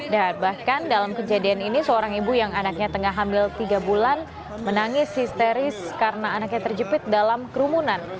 dan bahkan dalam kejadian ini seorang ibu yang anaknya tengah hamil tiga bulan menangis histeris karena anaknya terjepit dalam kerumunan